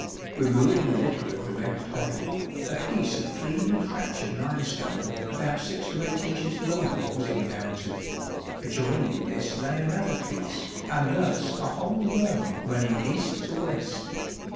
Removing a little of the red clay, a piece of cleanly fractured limestone about 6 to 8 inches long, wjis encountered ; adjoining this lay another piece, arid thus a whole row running east to west.